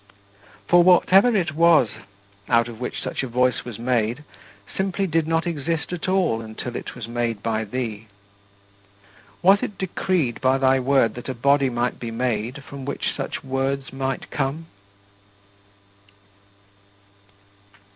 For whatever it was out of which such a voice was made simply did not exist at all until it was made by thee. Was it decreed by thy Word that a body might be made from which such words might come?